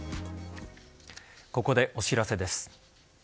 ここでお知らせです。